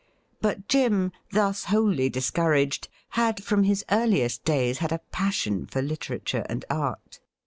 But Jim, thus wholly discouraged, had from his earliest days had a passion for literature and art.